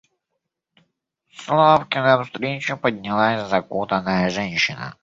С лавки навстречу поднялась закутанная женщина.